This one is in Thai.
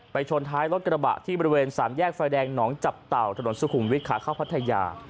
ชนท้ายรถกระบะที่บริเวณสามแยกไฟแดงหนองจับเต่าถนนสุขุมวิทยขาเข้าพัทยา